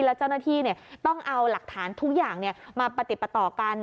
แล้วเจ้าหน้าที่ต้องเอาหลักฐานทุกอย่างมาประติดประต่อกัน